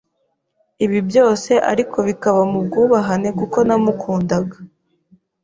ibi byose ariko bikaba mu bwubahane kuko namukundaga.